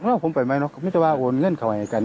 ไม่รู้ว่าผมไปไหมเนอะวิธีบาลโอนเงินขวัญกันสินะครับ